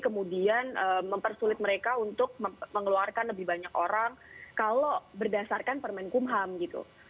kemudian mempersulit mereka untuk mengeluarkan lebih banyak orang kalau berdasarkan permen kumham gitu